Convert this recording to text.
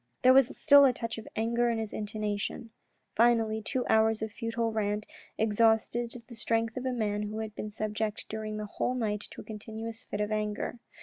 There was still a touch of anger in his intonation. Finally two hours of futile rant exhausted the strength of a man who had been subject during the whole night to a continuous fit of anger.